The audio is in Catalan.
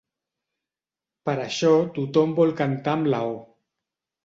Per això tothom vol cantar amb la o.